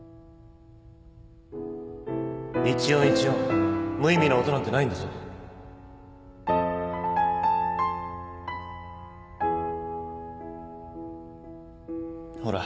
一音一音無意味な音なんてないんだほら。